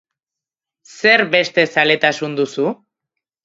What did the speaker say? Zer beste zaletasun duzu?